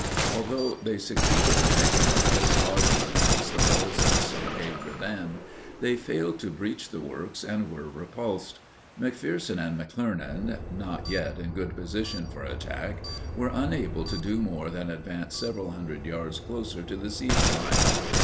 Although they succeeded in making a close lodgment against the walls of the Stockade Redan, they failed to breach the works and were repulsed. McPherson and McClernand, not yet in good position for attack, were unable to do more than advance several hundred yards closer to the siege line.